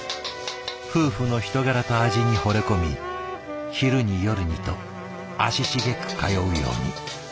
夫婦の人柄と味にほれ込み昼に夜にと足しげく通うように。